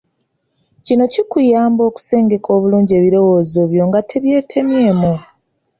Kino kikuyamba okusengeka obulungi ebirowoozo byo nga tebyetemyemu.